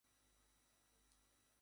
দাদা, আপনি কী করছেন?